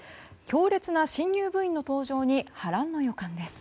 強烈な新入部員の登場に波乱の予感です。